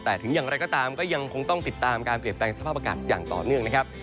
แต่ถึงอย่างไรก็ตามก็ยังคงต้องติดตามการเปลี่ยนแปลงสภาพอากาศอย่างต่อเนื่องนะครับ